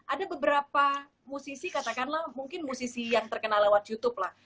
ada beberapa musisi katakanlah mungkin musisi yang terkenal lewat youtube lah